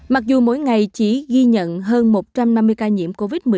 mặc dù mỗi ngày chỉ ghi nhận hơn một trăm năm mươi ca nhiễm